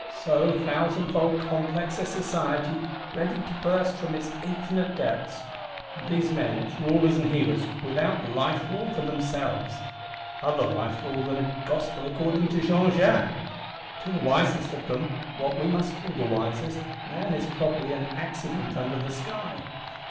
So thousandfold complex a Society, ready to burst up from its infinite depths; and these men, its rulers and healers, without life rule for themselves,—other life rule than a Gospel according to Jean Jacques! To the wisest of them, what we must call the wisest, man is properly an Accident under the sky.